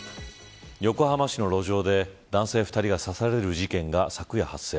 横浜市の路上で男性２人が刺される事件が昨夜発生。